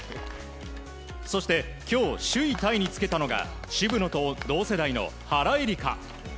そして、今日首位タイにつけたのが渋野と同世代の原英莉花。